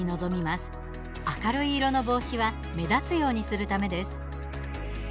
明るい色の帽子は目立つようにするためです。